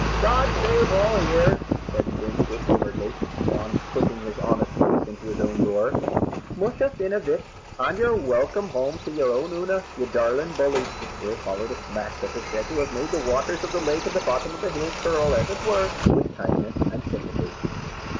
"God save all here!" said Fin, good humouredly, on putting his honest face into his own door. "Musha, Fin, avick, an' you're welcome home to your own Oonagh, you darlin' bully." Here followed a smack that is said to have made the waters of the lake at the bottom of the hill curl, as it were, with kindness and sympathy.